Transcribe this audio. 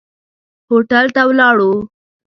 هوټل ته ولاړو.